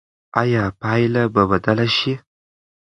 ایا پایله به بدله شي؟